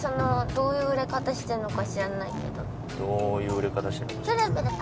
どういう売れ方してるのか。